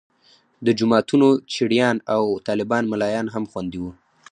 د جوماتونو چړیان او طالبان ملایان هم خوندي وو.